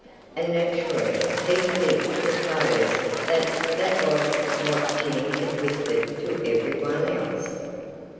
And naturally, Peter Mink supposed that that was what Jimmy had whispered to everyone else.